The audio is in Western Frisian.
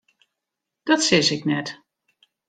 Dat sis ik net.